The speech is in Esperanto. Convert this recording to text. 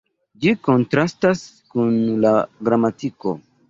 Ĝi kontrastas kun la gramatiko.